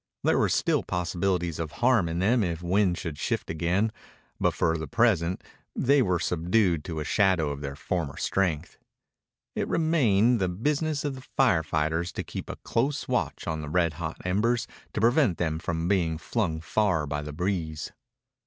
There were still possibilities of harm in them if the wind should shift again, but for the present they were subdued to a shadow of their former strength. It remained the business of the fire fighters to keep a close watch on the red hot embers to prevent them from being flung far by the breeze.